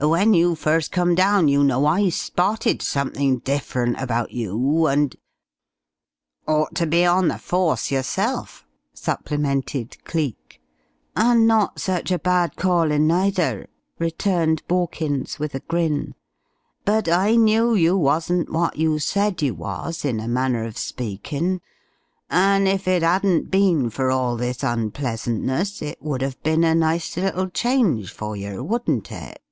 When you first come down, you know, I spotted something different about you, and " "Ought to be on the Force yourself!" supplemented Cleek. "And not such a bad callin' neither!" returned Borkins with a grin. "But I knew you wasn't what you said you was, in a manner of speakin'. And if it 'adn't been for all this unpleasantness, it would 'ave bin a nice little change for yer, wouldn't it?